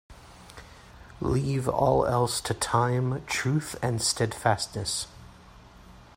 Leave all else to time, truth, and steadfastness.